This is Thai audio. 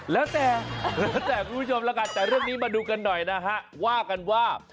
แล้วแต่กูชมล่ะกันแต่เรื่องงี้มาดูกันหน่อยว่ากันว่า